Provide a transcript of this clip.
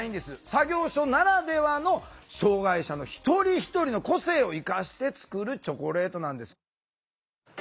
作業所ならではの障害者の一人一人の個性を生かして作るチョコレートなんです。